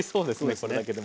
これだけでも。